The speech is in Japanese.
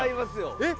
えっ？